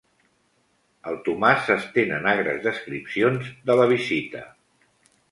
El Tomàs s'estén en agres descripcions de la visita.